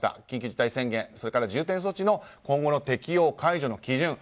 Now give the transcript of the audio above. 緊急事態宣言それから重点措置の今後の適用解除の基準。